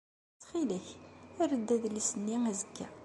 Ttxil-k, err-d adlis-nni azekka.